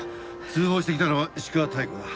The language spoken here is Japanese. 通報してきたのは石川妙子だ。